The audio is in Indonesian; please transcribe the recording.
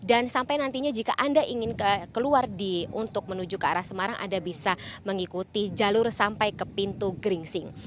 dan sampai nantinya jika anda ingin keluar untuk menuju ke arah semarang anda bisa mengikuti jalur sampai ke pintu geringsing